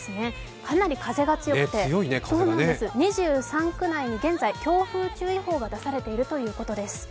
かなり風が強くて２３区内に現在強風注意報が出されているということです。